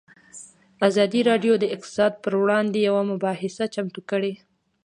ازادي راډیو د اقتصاد پر وړاندې یوه مباحثه چمتو کړې.